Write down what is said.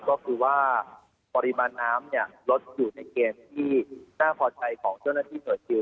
ก็คือว่าปริมาณน้ำลดอยู่ในเกณฑ์ที่น่าพอใจของเจ้าหน้าที่หน่วยซิล